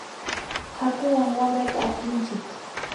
hakuwan wamrata aprinchik.